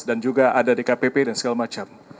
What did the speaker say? dan juga ada dkpp dan segala macam